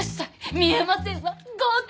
見えませんわ合格！